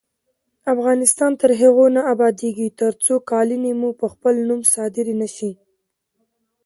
افغانستان تر هغو نه ابادیږي، ترڅو قالینې مو په خپل نوم صادرې نشي.